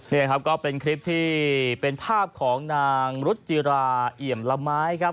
นี่ครับก็เป็นคลิปที่เป็นภาพของนางรุจิราเอี่ยมละไม้ครับ